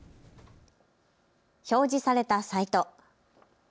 表示されたサイト。